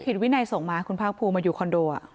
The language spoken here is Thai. ผิดวินัยสงมาคุณพากภูมาอยู่คอนโด